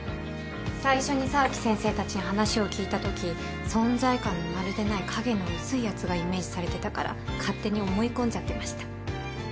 最初に沢木先生たちに話を聞いたとき存在感のまるでない影の薄いやつがイメージされてたから勝手に思い込んじゃってました。